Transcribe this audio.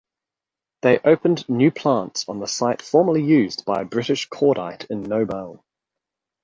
They opened new plants on the site formerly used by British Cordite in Nobel.